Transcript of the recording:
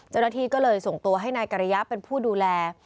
เจ้าหน้าที่ก็เลยส่งตัวให้นายกริยะเป็นผู้ดูแล